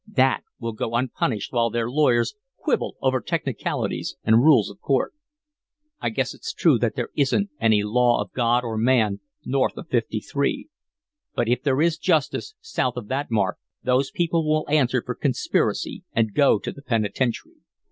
That will go unpunished while their lawyers quibble over technicalities and rules of court. I guess it's true that there isn't any law of God or man north of Fifty three; but if there is justice south of that mark, those people will answer for conspiracy and go to the penitentiary."